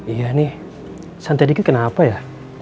iya nih santai dikit kenapa ya